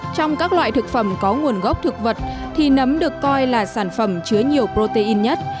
trong các loại thực phẩm có nguồn gốc thực vật thì nấm được coi là sản phẩm chứa nhiều protein nhất